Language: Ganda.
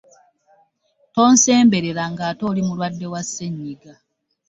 Tonsemberela ngaate oli mulwadde wa ssenyiga.